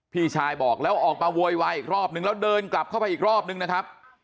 พี่ชายบอกแล้วออกมาโวยวายอีกรอบนึงแล้วเดินกลับเข้าไปอีกรอบนึงนะครับ